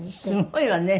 すごいわね。